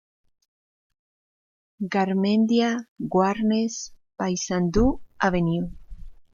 Garmendia, Warnes, Paysandú, Av.